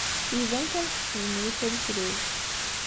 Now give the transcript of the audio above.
Iban kan tḥesbem-iyi d tameslubt.